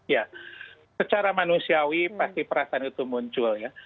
ya secara manusiawi pasti perasaan itu muncul ya